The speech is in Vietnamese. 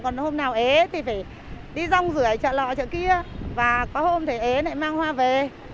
còn hôm nào ế thì phải đi rong rưỡi chợ lọ chợ kia và có hôm thì ế lại mang hoa về